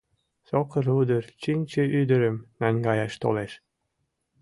Сокыр удыр Чинче ӱдырым наҥгаяш толеш.